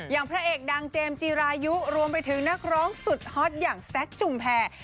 อย่างพระเอกดังเจมส์จีรายุรวมไปถึงนักร้องสุดฮอตอย่างแซคชุมแพร